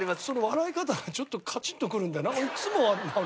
その笑い方ちょっとカチンとくるんだよないつも。